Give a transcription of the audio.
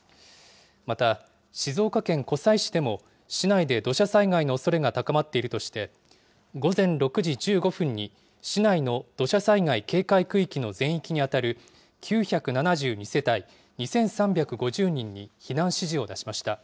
また静岡県湖西市でも、市内で土砂災害のおそれが高まっているとして、午前６時１５分に、市内の土砂災害警戒区域の全域に当たる９７２世帯２３５０人に避難指示を出しました。